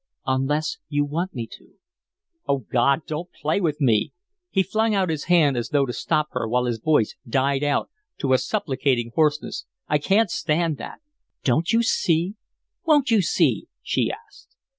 "Unless you want me to." "Oh, God! don't play with me!" He flung out his hand as though to stop her while his voice died out to a supplicating hoarseness. "I can't stand that." "Don't you see? Won't you see?" she asked.